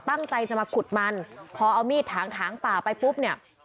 ตั้งใจจะมาขุดมันพอเอามีดถางถางป่าไปปุ๊บเนี่ย